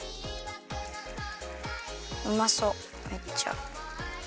うまそうめっちゃ。